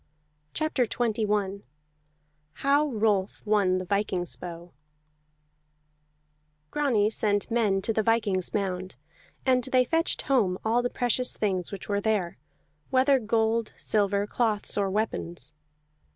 CHAPTER XXI HOW ROLF WON THE VIKING'S BOW Grani sent men to the viking's mound, and they fetched home all the precious things which were there, whether gold, silver, cloths or weapons.